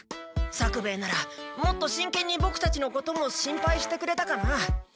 作兵衛ならもっとしんけんにボクたちのことも心配してくれたかな？